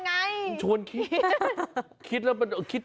เพราะว่าที่นั้นไม่ควรคิด